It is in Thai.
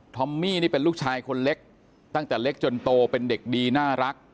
อมมี่นี่เป็นลูกชายคนเล็กตั้งแต่เล็กจนโตเป็นเด็กดีน่ารัก